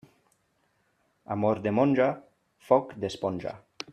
Amor de monja, foc d'esponja.